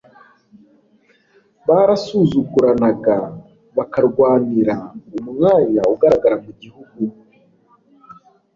barasuzuguranaga, bakarwanira umwanya ugaragara mu gihugu